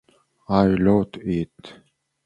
I wrote it.